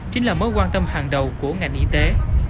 chính là mối quan tâm hàng đầu của ngành y tế